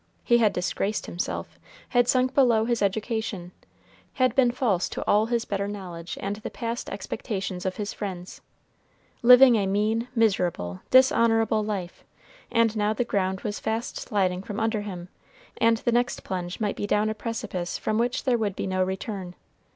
He had disgraced himself, had sunk below his education, had been false to all his better knowledge and the past expectations of his friends, living a mean, miserable, dishonorable life, and now the ground was fast sliding from under him, and the next plunge might be down a precipice from which there would be no return.